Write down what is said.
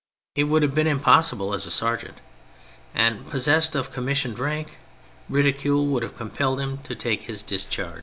He would have been impossible as a sergeant; and, possessed of commissioned rank, ridicule would have compelled him to take his discharge.